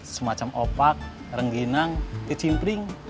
semacam opak rengginang dicimpring